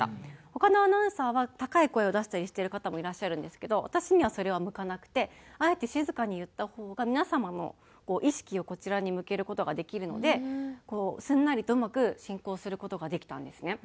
他のアナウンサーは高い声を出したりしてる方もいらっしゃるんですけど私にはそれは向かなくてあえて静かに言った方が皆様の意識をこちらに向ける事ができるのですんなりとうまく進行する事ができたんですね。